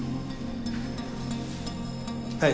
はい。